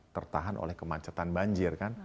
tertahan oleh kemacetan banjir